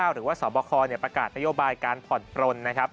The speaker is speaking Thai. หรือว่าศบคประกาศนโยบายการผ่อนปลน